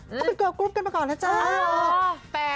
ก็เป็นเกิร์ลกรุ๊ปกันมาก่อนนะจ้า